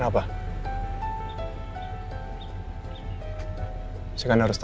siapa oak andra white